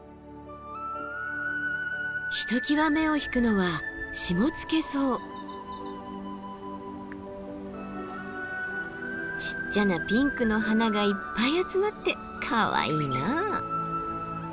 ひときわ目を引くのはちっちゃなピンクの花がいっぱい集まってかわいいな。